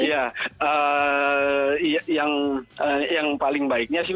ya yang paling baiknya sih